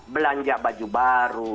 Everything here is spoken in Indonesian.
belanja baju baru